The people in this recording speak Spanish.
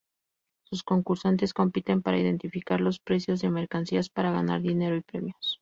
Sus concursantes compiten para identificar los precios de mercancías para ganar dinero y premios.